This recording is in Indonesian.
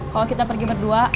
kalau kita pergi berdua